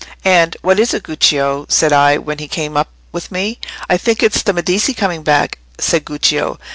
And, 'What is it, Guccio?' said I, when he came up with me. 'I think it's the Medici coming back,' said Guccio.